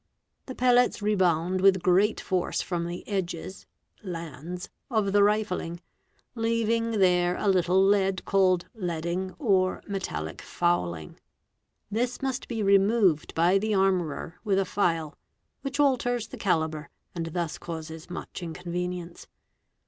The pellets rebound with great force — from the edges (''lands'') of the rifling, leaving there a little lead called © 'leading', or "metallic fouling'. This must be removed by the armourer — with a file, which alters the calibre and thus causes much inconvenience.